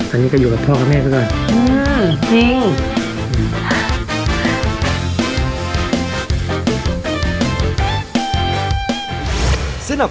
อันนี้ก็อยู่กับพ่อกับแม่ก็ได้